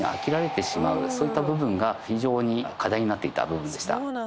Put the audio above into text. そういった部分が非常に課題になっていた部分でした。